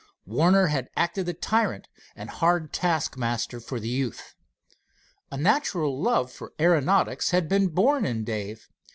Warner had acted the tyrant and hard taskmaster for the youth. A natural love for aeronautics had been born in Dave.